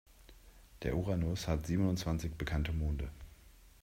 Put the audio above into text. Der Uranus hat siebenundzwanzig bekannte Monde.